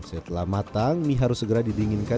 setelah matang mie harus segera didinginkan